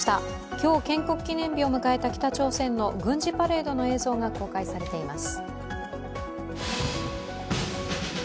今日、建国記念日を迎えた北朝鮮の軍事パレードの映像が公開されています。